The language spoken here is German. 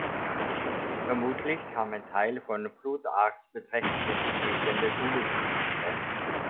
Vermutlich kam ein Teil von Plutarchs beträchtlichem Vermögen der Schule zugute.